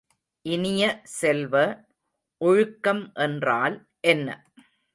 இனிய செல்வ, ஒழுக்கம் என்றால் என்ன?